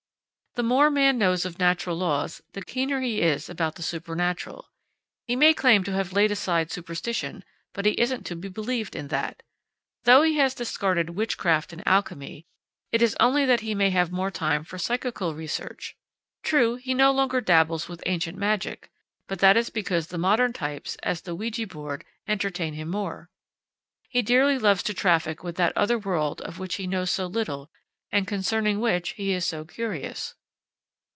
The more man knows of natural laws, the keener he is about the supernatural. He may claim to have laid aside superstition, but he isn't to be believed in that. Though he has discarded witchcraft and alchemy, it is only that he may have more time for psychical research; true, he no longer dabbles with ancient magic, but that is because the modern types, as the ouija board, entertain him more. He dearly loves to traffic with that other world of which he knows so little and concerning which he is so curious.